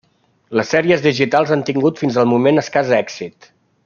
Les sèries digitals han tingut fins al moment escàs èxit.